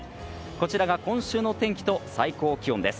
こちらが今週の天気と最高気温です。